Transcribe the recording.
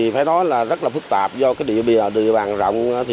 phải nói là rất là phức tạp do địa bàn rộng